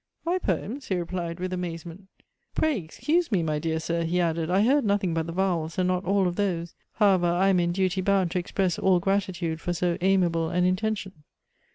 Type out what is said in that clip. " My poems ?" he replied, with amazement; pray ex cuse me, my dear sir," he added, " I heard nothing but the vowels, and not all of those ; however, I am in duty bound to express all gratitude for so amiable an inten tion."